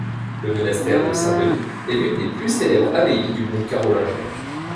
Le monastère de Saint-Denis est l'une des plus célèbres abbayes du monde carolingien.